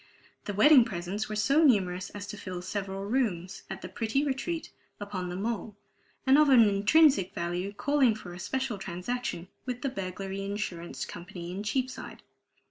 The wedding presents were so numerous as to fill several rooms at the pretty retreat upon the Mole, and of an intrinsic value calling for a special transaction with the Burglary Insurance Company in Cheapside.